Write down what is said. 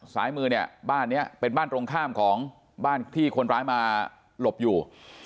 สายมือเนี่ยบ้านนี้เป็นบ้านตรงข้ามของบ้านที่คนร้ายมาหลบอยู่